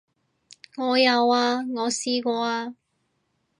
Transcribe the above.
我有啊，我試過啊